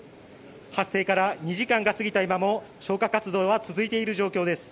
発生から２時間が過ぎた今も消火活動は続いている状況です。